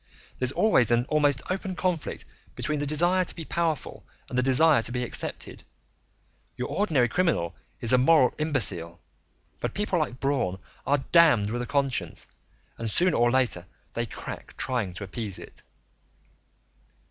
"There's always an almost open conflict between the desire to be powerful and the desire to be accepted; your ordinary criminal is a moral imbecile, but people like Braun are damned with a conscience, and sooner or later they crack trying to appease it."